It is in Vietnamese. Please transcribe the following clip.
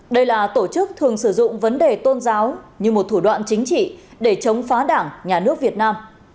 đây là tổ chức thường sử dụng vấn đề tôn giáo như một thủ đoạn chính trị để chống phá đảng nhà nước việt nam